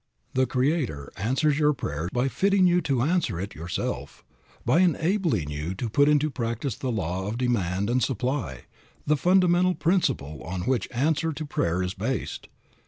The Creator answers your prayer by fitting you to answer it yourself, by enabling you to put into practice the law of demand and supply, the fundamental principle on which answer to prayer is based.